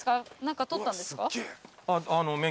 何か取ったんですか？